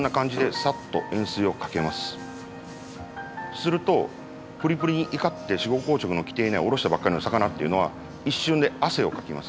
するとプリプリにいかって死後硬直の来ていないおろしたばっかりの魚っていうのは一瞬で汗をかきます。